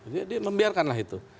jadi membiarkanlah itu